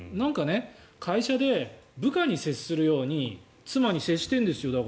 会社で部下に接するように妻に接しているんですよ。